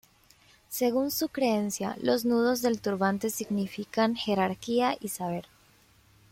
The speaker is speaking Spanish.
Según su creencia, los nudos del turbante significan jerarquía y saber.